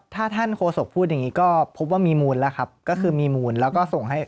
ถ้าท่านโฆษกษ์พูดแบบนี้ก็พบว่ามีหมวลแล้วก็ส่งให้